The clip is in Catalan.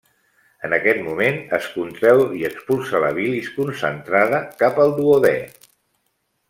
En aquest moment es contreu i expulsa la bilis concentrada cap al duodè.